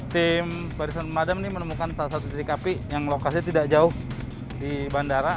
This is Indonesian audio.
tim barisan pemadam ini menemukan salah satu titik api yang lokasi tidak jauh di bandara